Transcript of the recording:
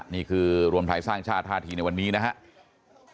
นี่คือรวมไทยสร้างชาติท่าทีในวันนี้นะครับ